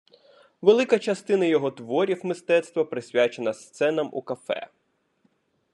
Велика частина його творів мистецтва присвячена сценам у кафе.